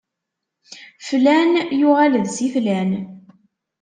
Flan yuɣal d Si Flan.